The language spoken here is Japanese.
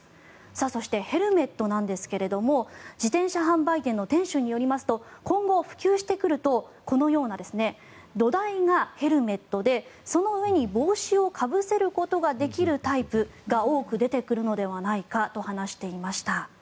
そして、ヘルメットなんですが自転車販売店の店主によりますと今後、普及してくるとこのような土台がヘルメットでその上に帽子をかぶせることができるタイプが多く出てくるのではないかと話していました。